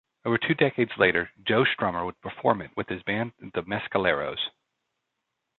Over two decades later, Joe Strummer would perform it with his band the Mescaleros.